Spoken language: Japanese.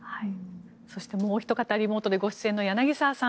そして、もうお一方リモートでご出演の柳澤さん